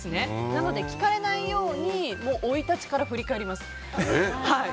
なので聞かれないように生い立ちから振り返ります。